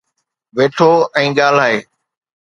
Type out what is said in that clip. ويٺو ۽ ڳالهائي